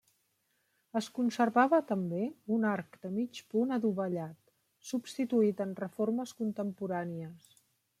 Es conservava, també, un arc de mig punt adovellat, substituït en reformes contemporànies.